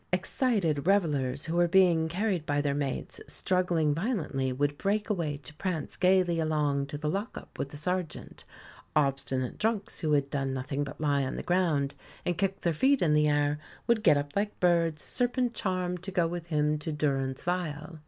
Excited revellers, who were being carried by their mates, struggling violently, would break away to prance gaily along to the lock up with the sergeant. Obstinate drunks who had done nothing but lie on the ground and kick their feet in the air, would get up like birds, serpent charmed, to go with him to durance vile.